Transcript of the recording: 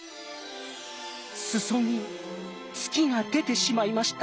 裾に月が出てしまいましたね。